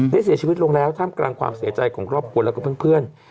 เสียชีวิตลงแล้วท่ามกลางความเสียใจของครอบครัวแล้วก็เพื่อน